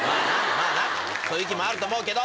まぁなそういう日もあると思うけど。